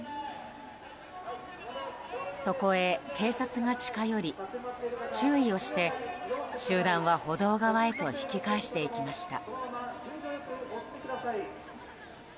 そこへ警察が近寄り注意をして集団は歩道側へと引き返していきました。